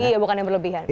iya bukan yang berlebihan